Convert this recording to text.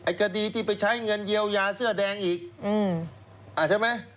คดีที่ไปใช้เงินเยียวยาเสื้อแดงอีกใช่ไหม